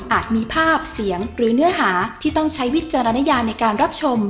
มีภาพเสียงหรือเนื้อหาที่ต้องใช้วิจารณญาในการรับชม